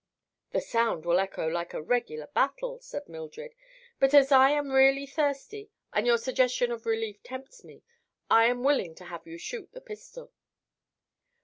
"The sound will echo like a regular battle," said Mildred; "but as I am really thirsty and your suggestion of relief tempts me, I am willing to have you shoot the pistol."